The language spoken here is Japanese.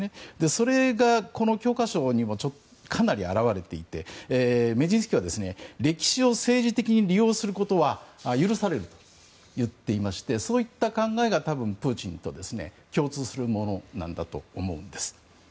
それが、この教科書にもかなり表れていてメジンスキーは歴史を政治的に利用することは許されると言っていましてそういった考えがプーチンと共通するものなんだと思うんです。